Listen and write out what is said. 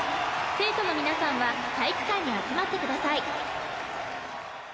生徒の皆さんは体育館に集まってください。